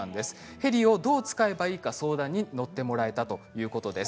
ヘリをどう使えばいいのか相談に乗ってもらえたそうです。